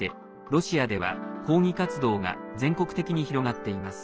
ロシアでは抗議活動が全国的に広がっています。